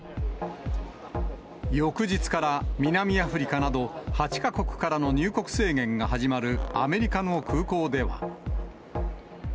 翌日から南アフリカなど、８か国からの入国制限が始まるアメリカの空港では。